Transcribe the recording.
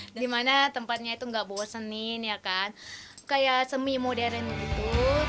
dimana tempatnya itu nggak bosenin kayak semi modern gitu